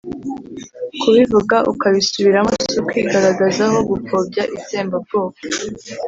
kubivuga ukabisubiramo si ukwigaragazaho gupfobya itsembabwoko.